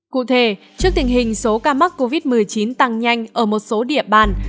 cụ thể trước tình hình số ca mắc covid một mươi chín tăng nhanh ở một số địa bàn